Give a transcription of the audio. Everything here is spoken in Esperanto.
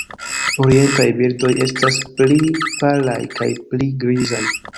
Orientaj birdoj estas pli palaj kaj pli grizaj.